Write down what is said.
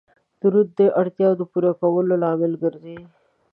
درود د اړتیاو د پوره کیدلو لامل ګرځي